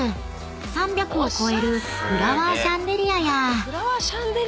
３００を超えるフラワーシャンデリアや］